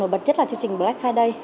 nội bật chất là chương trình black friday